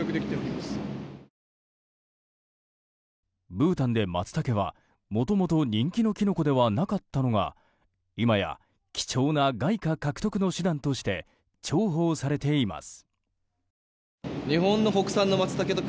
ブータンでマツタケはもともと人気のキノコではなかったのが今や貴重な外貨獲得の手段として重宝されています。